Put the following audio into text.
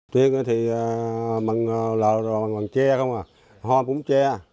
thứ tiên thì mặn lờ mặn tre không à ho cũng tre